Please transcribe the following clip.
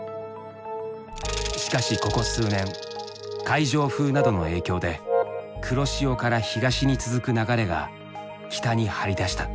しかしここ数年海上風などの影響で黒潮から東に続く流れが北に張り出した。